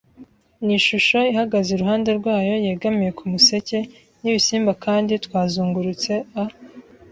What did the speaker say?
n'ishusho ihagaze iruhande rwayo, yegamiye ku museke. Nibisimba, kandi twazungurutse a